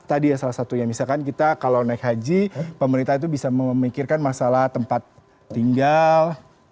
tadi ya salah satunya misalkan kita kalau naik haji pemerintah itu bisa memikirkan masalah tempat tinggal